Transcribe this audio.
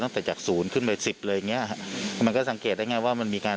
ตั้งแต่จาก๐ขึ้นไป๑๐เลยอย่างนี้มันก็สังเกตได้ง่ายว่ามันมีการ